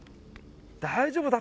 「大丈夫だ